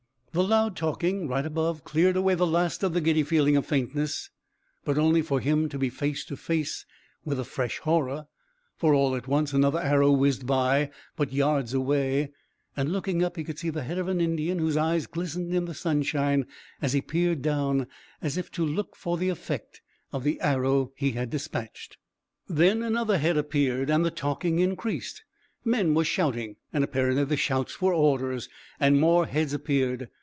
The loud talking right above cleared away the last of the giddy feeling of faintness, but only for him to be face to face with a fresh horror, for all at once another arrow whizzed by, but yards away, and looking up he could see the head of an Indian whose eyes glistened in the sunshine as he peered down as if to look for the effect of the arrow he had dispatched. Then another head appeared, and the talking increased. Men were shouting, and apparently the shouts were orders, and more heads appeared.